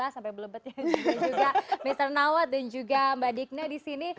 sampai belebet ya juga mr nawat dan juga mbak dikne disini